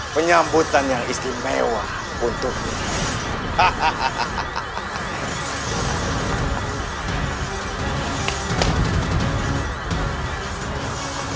penyambutan yang istimewa untukmu